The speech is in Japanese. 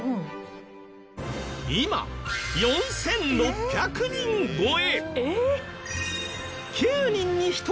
今４６００人超え！